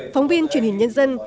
phóng viên truyền hình nhân dân